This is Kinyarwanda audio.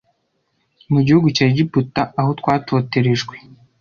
mu gihugu cya egiputa aho twatoterejwe